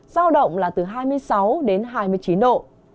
giao động là từ hai mươi sáu đến hai mươi chín độ